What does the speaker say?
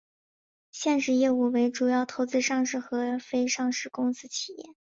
现时业务为主要投资上市和非上市公司企业。